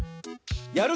やる